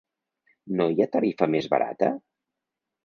No hi ha tarifa mes barataa¿.